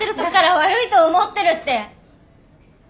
だから悪いと思ってるって！